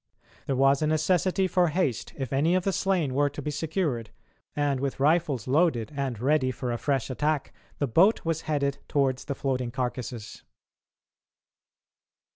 There was a necessity for haste if any of the slain were to be secured, and with rifles loaded and ready for a fresh attack, the boat was headed towards the floating carcases.